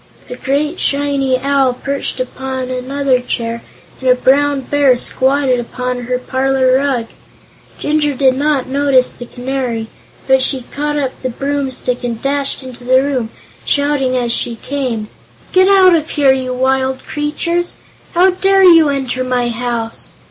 A great shiny Owl perched upon another chair and a Brown Bear squatted upon her parlor rug. Jinjur did not notice the Canary, but she caught up a broomstick and dashed into the room, shouting as she came: "Get out of here, you wild creatures! How dare you enter my house?"